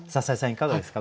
いかがですか？